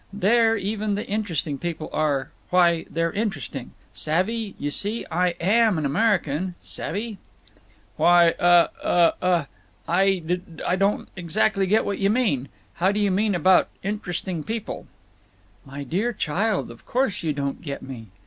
There even the Interesting People are—why, they're interesting. Savvy—you see I am an American—savvy?" "Why—uh—uh—uh—I d don't exactly get what you mean. How do you mean about 'Interesting People'?" "My dear child, of course you don't get me."